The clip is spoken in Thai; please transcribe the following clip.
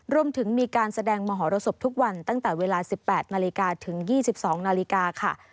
รวมถึงมีการแสดงมหรสบทุกวันตั้งแต่เวลา๑๘นาฬิกาถึง๒๒นาฬิกาค่ะ